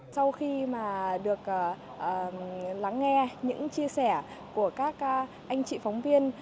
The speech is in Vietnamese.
sau khi mà được lắng nghe những chia sẻ của các anh chị phóng viên